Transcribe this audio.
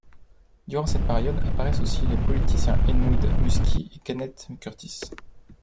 Durant cette période apparaissent aussi les politiciens Edmund Muskie et Kenneth Curtis.